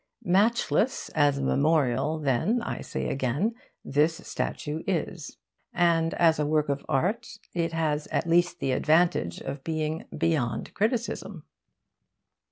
Matchless as a memorial, then, I say again, this statue is. And as a work of art it has at least the advantage of being beyond criticism.